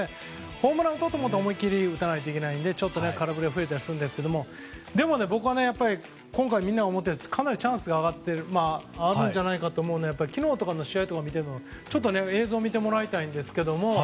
ホームランを打とうと思うと思い切り打たないといけないから空振りが増えたりするんですがでも、僕はやっぱり今回みんなが思っているようにチャンスがかなりあるんじゃないかと思うのは昨日とかの試合を見ても映像を見てもらいたいんですが。